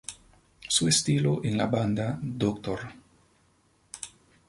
Su estilo en la banda Dr.